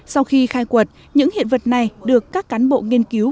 sau khi khai quật những hiện vật này được các cán bộ nghiên cứu